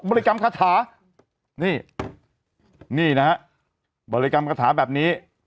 ริกรรมคาถานี่นี่นะฮะบริกรรมคาถาแบบนี้